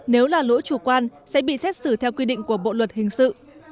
nếu là lỗi chủ quan sẽ bị xét xử theo quy định của bộ luật hình sự